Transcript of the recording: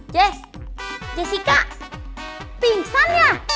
jess jessica pingsan ya